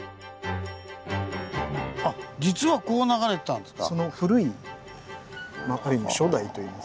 あっ実はこう流れてたんですか。